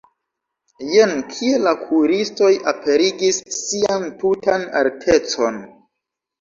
Jen kie la kuiristoj aperigis sian tutan artecon!